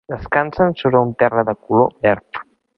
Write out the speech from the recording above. Descansen sobre un terra de color verd.